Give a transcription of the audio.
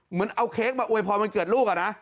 เอาเค้กมาอวยพรมวันเกิดลูกอะนะ